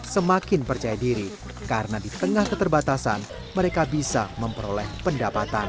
semakin percaya diri karena di tengah keterbatasan mereka bisa memperoleh pendapatan